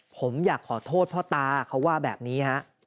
ผมอยากขอโทษพ่อตาเขาว่าแบบนี้ฮะ